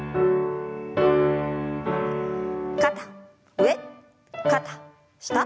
肩上肩下。